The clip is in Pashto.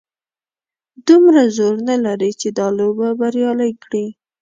دومره زور نه لري چې دا لوبه بریالۍ کړي.